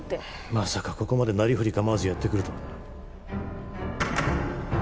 まさかここまでなりふり構わずやってくるとはな。